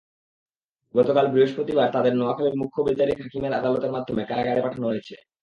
গতকাল বৃহস্পতিবার তাঁদের নোয়াখালীর মুখ্য বিচারিক হাকিমের আদালতের মাধ্যমে কারাগারে পাঠানো হয়েছে।